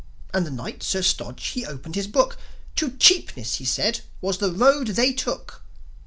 And the Knight, Sir Stodge, he opened his Book: "To Cheapness," he said, "was the road they took."